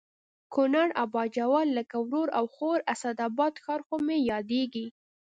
کونړ او باجوړ لکه ورور او خور او اسداباد ښار خو مې یادېږي